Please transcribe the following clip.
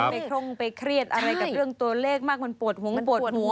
ไปคร่งไปเครียดอะไรกับเรื่องตัวเลขมากมันปวดหงปวดหัว